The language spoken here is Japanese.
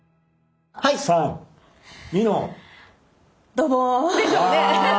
ドボーン！でしょうね。